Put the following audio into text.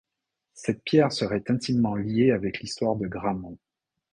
Cette pierre serait intimement liée avec l’histoire de Grammont.